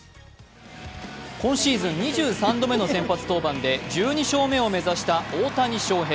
今シーズン２３度目の先発登板で１２勝目を目指した大谷翔平。